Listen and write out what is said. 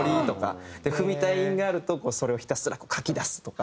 踏みたい韻があるとそれをひたすら書き出すとか。